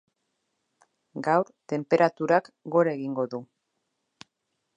Gaur, tenperaturak gora egingo du.